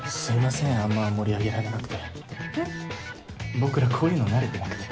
僕らこういうの慣れてなくて。